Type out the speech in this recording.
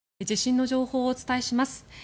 地震の情報をお伝えします。